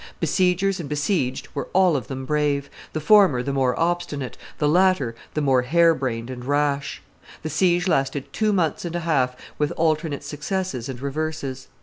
Besiegers and besieged were all of them brave; the former the more obstinate, the latter the more hare brained and rash. The siege lasted two months and a half with alternate successes and reverses.